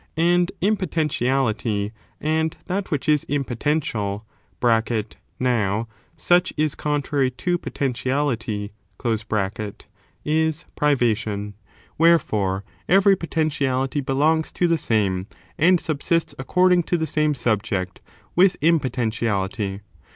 4. What impo ^^^ impoteutiality, and that which is impo tentiauty is, tcutial (uow, such is Contrary to potentiality), is advvafita. privation. Wherefore, every potentiality belongs to the same, and subsists according to the same subject with im poteutiality.